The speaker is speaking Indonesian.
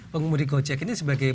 pengumudi gojek ini sebagai